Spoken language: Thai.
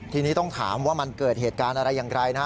ทีนี้ต้องถามว่ามันเกิดเหตุการณ์อะไรอย่างไรนะฮะ